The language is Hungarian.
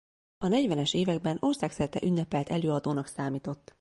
A negyvenes években országszerte ünnepelt előadónak számított.